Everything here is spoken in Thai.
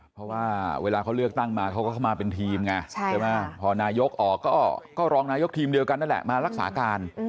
เพราะว่าเวลาเขาเลือกตั้งมาเขาก็เข้ามาเป็นทีมไงใช่ไหมพอนายกออกก็รองนายกทีมเดียวกันนั่นแหละมารักษาการ